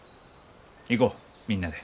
行こうみんなで。